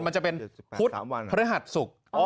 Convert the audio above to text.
มันจะเป็นพุธพฤหัสศุกร์